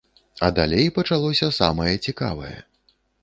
А далей пачалося самае цікавае.